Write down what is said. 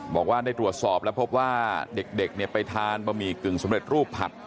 บอกว่าได้ตรวจสอบแล้วพบว่าเด็กไปทานบะหมี่กึ่งสำเร็จรูปผัด